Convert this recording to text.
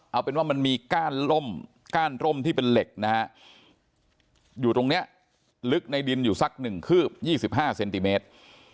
เอาเป็นว่ามันมีก้านล่มก้านร่มที่เป็นเหล็กนะฮะอยู่ตรงนี้ลึกในดินอยู่สัก๑คืบ๒๕เซนติเมตร